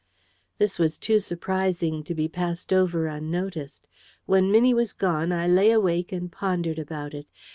This was too surprising to be passed over unnoticed. When Minnie was gone, I lay awake and pondered about it.